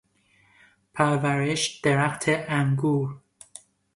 پرورش درخت انگور